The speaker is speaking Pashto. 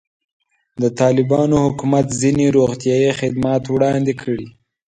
د طالبانو حکومت ځینې روغتیایي خدمات وړاندې کړي.